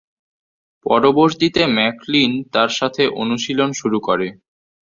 পরবর্তীতে ম্যাকলিন তার সাথে অনুশীলন শুরু করে।